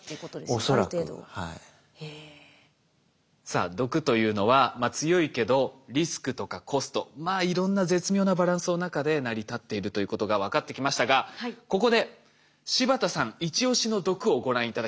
さあ毒というのは強いけどリスクとかコストまあいろんな絶妙なバランスの中で成り立っているということが分かってきましたがここで柴田さんイチオシの毒をご覧頂きましょう。